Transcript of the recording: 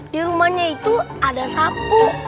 di rumahnya itu ada sapu